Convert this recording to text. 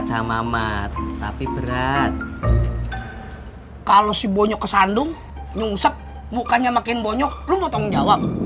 sampai jumpa di video selanjutnya